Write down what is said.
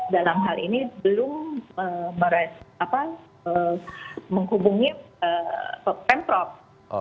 dan hal ini belum menghubungi pemprov